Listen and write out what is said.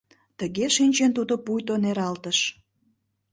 Тыге шинчен тудо пуйто нералтыш.